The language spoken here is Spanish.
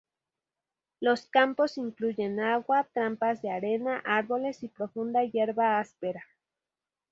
Los campos incluyen agua, trampas de arena, árboles y profunda hierba áspera.